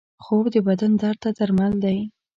خوب د بدن درد ته درمل دی